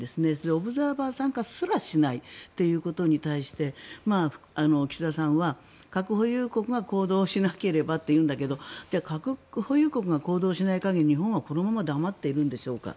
オブザーバー参加すらしないということに対して岸田さんは核保有国が行動しなければと言うんだけどじゃあ核保有国が行動しない限り日本はこのまま黙っているんでしょうか。